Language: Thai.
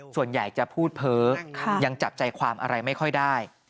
ส่วนใหญ่จะพูดเพ้อยังจับใจความอะไรไม่ค่อยได้